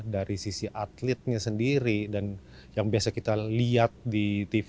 dari sisi atletnya sendiri dan yang biasa kita lihat di tv